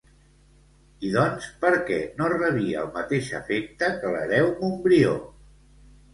I doncs, per què no rebia el mateix afecte que l'hereu Montbrió?